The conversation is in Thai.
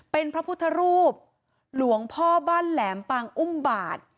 เป็นพระพุทธรูปหลวงพ่อบ้านแหลมปางอุ้มบาท